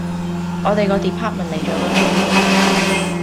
我哋個 Department 嚟咗個 Trainee